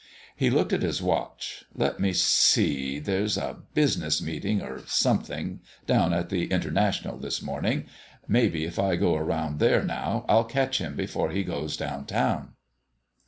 He looked at his watch. "Let me see; there's a business meeting or something down at the International this morning. Maybe, if I go around there now, I'll catch him before he goes down town."